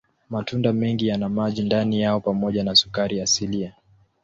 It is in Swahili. Matunda mengi yana maji ndani yao pamoja na sukari asilia.